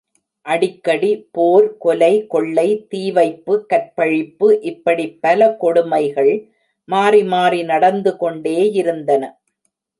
அடிக்கடி போர் கொலை கொள்ளை தீவைப்பு கற்பழிப்பு இப்படிப் பல கொடுமைகள் மாறி மாறி நடந்துகொண்டேயிருந்தன.